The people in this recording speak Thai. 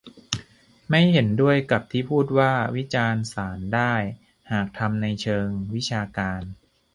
ไม่เห็นด้วยกับที่พูดว่า วิจารณ์ศาลได้หากทำในเชิงวิชาการ